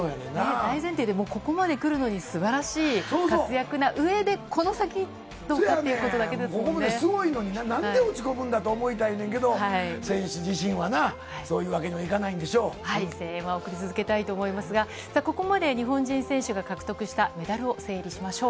大前提でここまでくるのにすばらしい活躍なうえで、この先どここまですごいのにな、なんで落ち込むんだと思いたいねんけど、選手自身はな、そういう声援は送り続けたいと思いますが、ここまで日本人選手が獲得したメダルを整理しましょう。